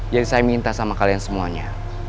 jadi saya minta sama kalian semuanya